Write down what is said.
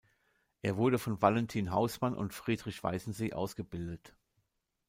Er wurde von Valentin Haussmann und Friedrich Weißensee ausgebildet.